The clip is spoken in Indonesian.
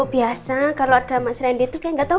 biasa kalau ada mas rendy itu kayak gak tau